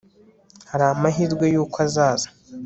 Hari amahirwe yuko azaza